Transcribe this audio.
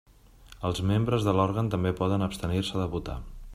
Els membres de l'òrgan també poden abstenir-se de votar.